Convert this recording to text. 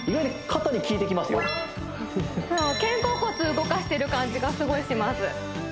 肩甲骨動かしてる感じがすごいします